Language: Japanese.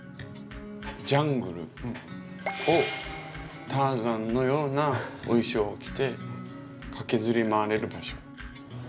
ジャングルをターザンのようなお衣装を着て駆けずり回れる場所。